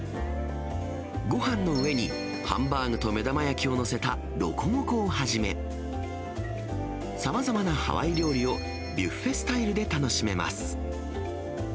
ごはんの上にハンバーグと目玉焼きを載せたロコモコをはじめ、さまざまなハワイ料理を、ビュッフェスタイルで楽しめます。